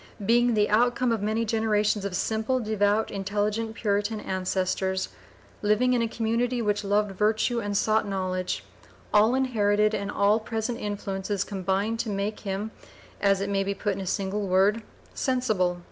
Being the outcome of many generations of simple, devout, intelligent Puritan ancestors, living in a community which loved virtue and sought knowledge, all inherited and all present influences combined to make him, as it may be put (p. 008) in a single word, sensible.